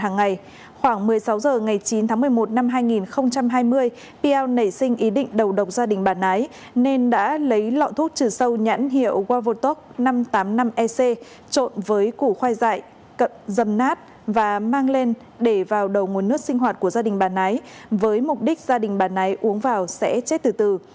năm hai nghìn hai mươi pl nảy sinh ý định đầu độc gia đình bà nái nên đã lấy lọ thuốc trừ sâu nhãn hiệu wavotoc năm trăm tám mươi năm ec trộn với củ khoai dại cận dầm nát và mang lên để vào đầu nguồn nước sinh hoạt của gia đình bà nái với mục đích gia đình bà nái uống vào sẽ chết từ từ